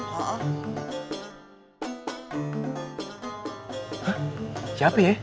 hah siapa ya